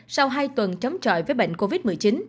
sau hai tuần chấm trọi với bệnh covid một mươi chín